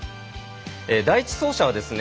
第１走者はですね